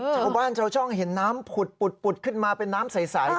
ชาวบ้านชาวช่องเห็นน้ำผุดขึ้นมาเป็นน้ำใส